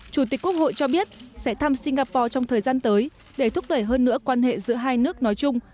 chủ tịch quốc hội cho biết sẽ thăm singapore trong thời gian tới để thúc đẩy hơn nữa quan hệ giữa hai nước nói chung